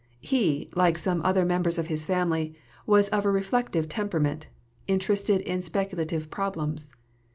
He, like some other members of his family, was of a reflective temperament, interested in speculative problems.